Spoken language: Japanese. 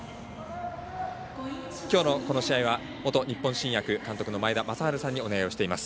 きょうのこの試合は元日本新薬監督の前田正治さんにお願いをしています。